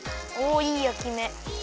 いいやきめ！